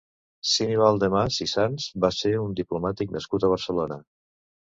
Sinibald de Mas i Sans va ser un diplomàtic nascut a Barcelona.